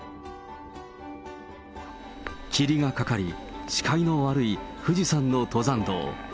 霧がかかり、視界の悪い富士山の登山道。